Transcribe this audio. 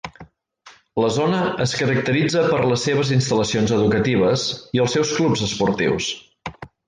La zona es caracteritza per les seves instal·lacions educatives, i els seus clubs esportius.